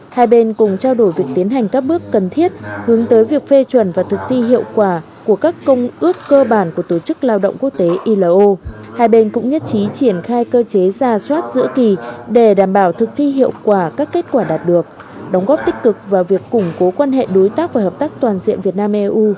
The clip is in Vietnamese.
hai bên cùng trao đổi việc tiến hành các bước cần thiết hướng tới việc phê chuẩn và thực thi hiệu quả của các công ước cơ bản của tổ chức lao động quốc tế ilo hai bên cũng nhất trí triển khai cơ chế ra soát giữa kỳ để đảm bảo thực thi hiệu quả các kết quả đạt được đóng góp tích cực vào việc củng cố quan hệ đối tác và hợp tác toàn diện việt nam eu